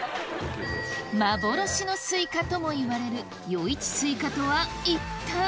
幻のスイカともいわれる与一西瓜とは一体？